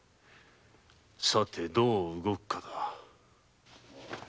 さてどう動くか。